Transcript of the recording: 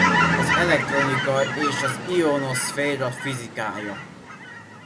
Az elektronika és az ionoszféra fizikája.